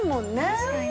確かに。